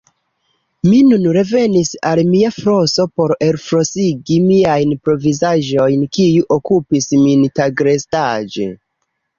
Mi nun revenis al mia floso por elflosigi miajn provizaĵojn, kiu okupis min tagrestaĵe.